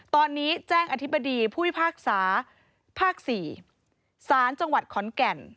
ตอนนี้แจ้งอธิบดีผู้พิพากษาภาค๔สารจังหวัดขอนแก่น